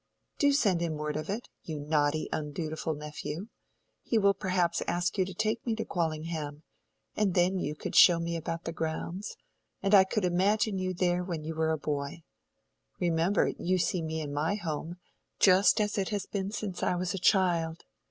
"Do send him word of it, you naughty undutiful nephew. He will perhaps ask you to take me to Quallingham; and then you could show me about the grounds, and I could imagine you there when you were a boy. Remember, you see me in my home, just as it has been since I was a child.